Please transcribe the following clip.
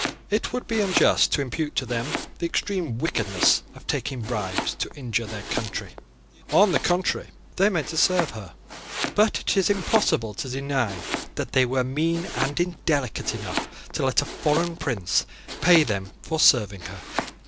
It would be unjust to impute to them the extreme wickedness of taking bribes to injure their country. On the contrary, they meant to serve her: but it is impossible to deny that they were mean and indelicate enough to let a foreign prince pay them for serving her.